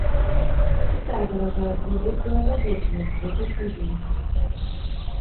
Китай выражает глубокую озабоченность в этой связи.